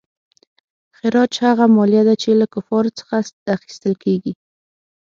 خراج هغه مالیه ده چې له کفارو څخه اخیستل کیږي.